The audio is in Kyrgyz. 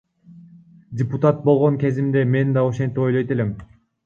Депутат болгон кезимде мен да ошентип ойлойт элем.